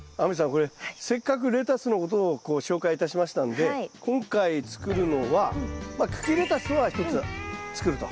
これせっかくレタスのことをこう紹介いたしましたんで今回作るのはまあ茎レタスは１つ作ると。